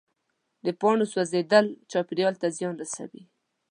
د پاڼو سوځېدل چاپېریال ته زیان رسوي.